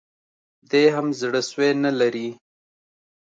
دی هم زړه سوی نه لري